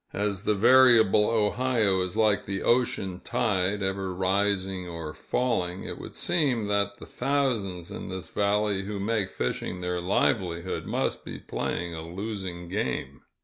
As the variable Ohio is like the ocean tide, ever rising or falling, it would seem that the thousands in this valley who make fishing their livelihood must be playing a losing game.